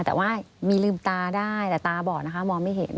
แต่ว่ามีลืมตาได้แต่ตาบอดนะคะมองไม่เห็น